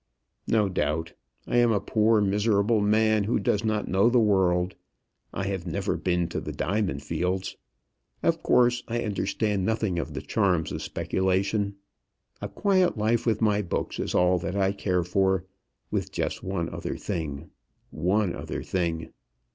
"No doubt. I am a poor miserable man who does not know the world. I have never been to the diamond fields. Of course I understand nothing of the charms of speculation. A quiet life with my book is all that I care for; with just one other thing, one other thing.